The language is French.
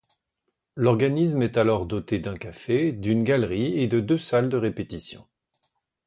L’organisme est alors doté d’un café, d’une galerie et de deux salles de répétition.